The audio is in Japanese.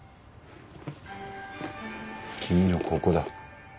君のここだ。